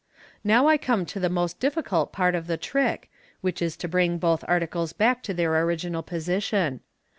" Now I come to the most difficult part of the trick, which is to bring both articles back to their original position.